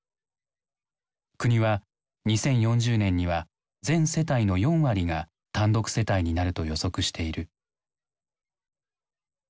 国は２０４０年には全世帯の４割が単独世帯になると予測している。